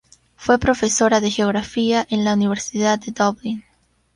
Fue profesora de geografía en la Universidad de Dublín.